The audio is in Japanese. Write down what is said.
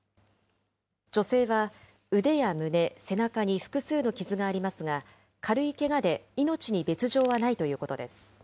女性は腕や胸、背中に複数の傷がありますが、軽いけがで、命に別状はないということです。